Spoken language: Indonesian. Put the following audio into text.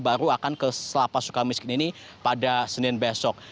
baru akan ke selapa suka miskin ini pada senin besok